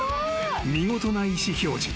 見事な意思表示］